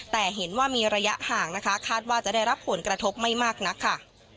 แต่เห็นว่ามีระยะห่างนะคะคาดว่าจะได้รับผลกระทบไม่มากนักค่ะ